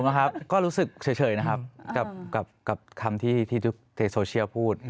ครับก็รู้สึกเฉยนะครับกับคำที่ทุกเทโซเชียลพูด